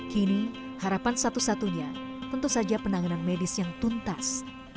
kini harapan satu satunya tentu saja penanganan medis yang tuntas